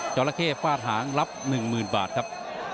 ราเข้ฟาดหางรับ๑๐๐๐บาทครับ